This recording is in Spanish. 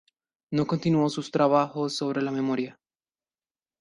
No continuó sus trabajos sobre la memoria.